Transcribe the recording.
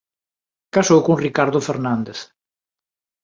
Casou con Ricardo Fernández.